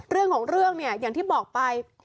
เรื่องของเรื่องเนี่ยอย่างที่บอกไป